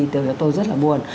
tôi rất là buồn